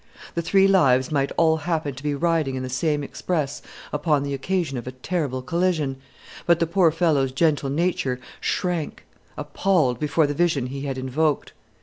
The three lives might all happen to be riding in the same express upon the occasion of a terrible collision; but the poor fellow's gentle nature shrank appalled before the vision he had invoked.